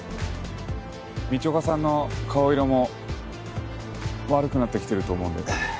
道岡さんの顔色も悪くなってきてると思うので。